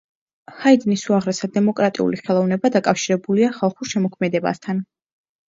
ჰაიდნის უაღრესად დემოკრატიული ხელოვნება დაკავშირებულია ხალხურ შემოქმედებასთან.